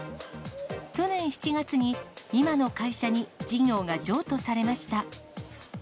去年７月に、今の会社に事業が譲渡されました。